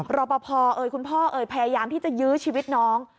รอปภเอ่ยคุณพ่อเอ่ยพยายามที่จะยื้อชีวิตน้อง